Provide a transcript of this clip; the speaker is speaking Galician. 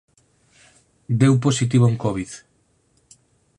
Deu positivo en covid.